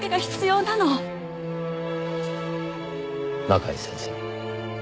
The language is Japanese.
中井先生